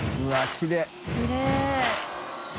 きれい。